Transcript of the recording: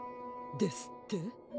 ですって